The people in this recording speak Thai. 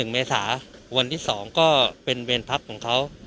เมษาวันที่๒ก็เป็นเวรพับของเขา